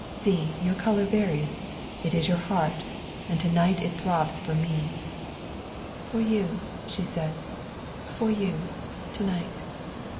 See, your color varies. It is your heart, and to night it throbs for me. ''" For you," she said, " for you to night."